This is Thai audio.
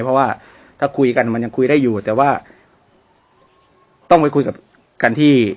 เพราะว่าถ้าคุยกันมันยังคุยได้อยู่แต่ว่าต้องไปคุยกับกันที่